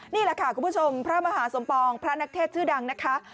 นี่แหละค่ะคุณผู้ชมพระมหาสมปองพระนักเทศชื่อดังนะคะ